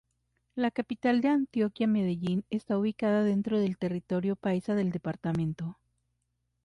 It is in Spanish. La capital de Antioquia, Medellín, está ubicada dentro del territorio paisa del departamento.